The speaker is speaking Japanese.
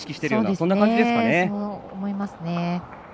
そう思いますね。